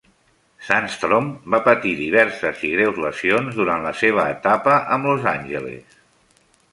Sandstrom va patir diverses i greus lesions durant la seva etapa amb Los Angeles.